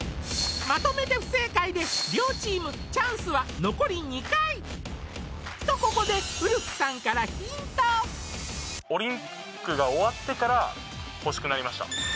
まとめて不正解で両チームチャンスは残り２回とここでオリンピックが終わってから欲しくなりました